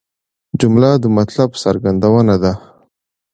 جمله د مطلب څرګندونه ده.